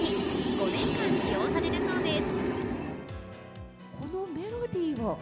５年間使用されるそうです。